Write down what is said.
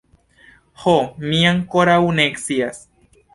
Ho, mi ankoraŭ ne scias.